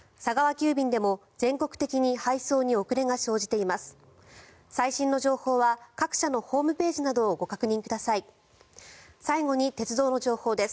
急便でも全国的に配送に遅れが生じています。